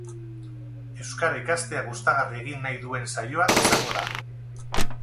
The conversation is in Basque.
Euskara ikastea gustagarri egin nahi duen saioa izango da.